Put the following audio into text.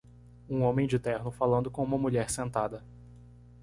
Um homem de terno falando com uma mulher sentada.